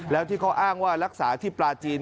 แล้วที่เขาอ้างว่ารักษาที่ปลาจีน